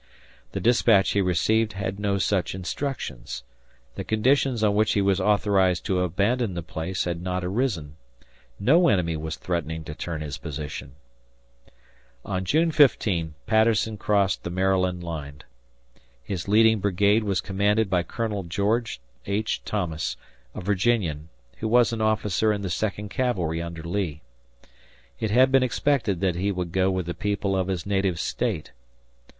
The dispatch he received had no such instructions; the conditions on which he was authorized to abandon the place had not arisen; no enemy was threatening to turn his position. On June 15 Patterson crossed the Maryland line. His leading brigade was commanded by Colonel George H. Thomas, a Virginian, who was an officer in the Second Cavalry under Lee. It had been expected that he would go with the people of his native State.